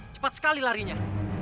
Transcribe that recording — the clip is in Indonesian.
cepat sekali larinya